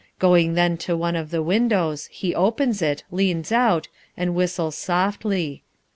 Going then to one of the windows, he opens it, leans out, and whistles softly.